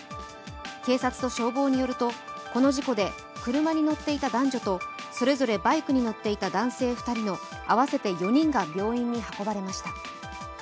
警察と消防によるとこの事故で車に乗っていた男女とそれぞれバイクに乗っていた男性２人の合わせて４人が病院に運ばれました